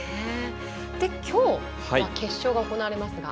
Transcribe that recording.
きょうは決勝が行われますが。